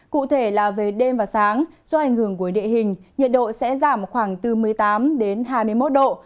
cụ thể là về đêm và sáng do ảnh hưởng của địa hình nhiệt độ sẽ giảm khoảng từ một mươi tám đến hai mươi một độ